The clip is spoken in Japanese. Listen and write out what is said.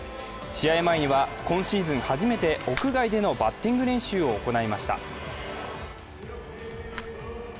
試合前のは今シーズン初めて屋外でのバッティング練習を行いました。